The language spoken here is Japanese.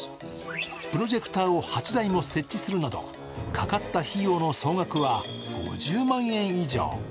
プロジェクターを８台も設置するなど、かかった費用の総額は５０万円以上。